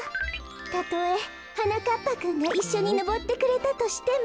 たとえはなかっぱくんがいっしょにのぼってくれたとしても。